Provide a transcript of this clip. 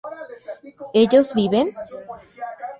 ¿ellos viven?